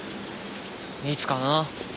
いつかな。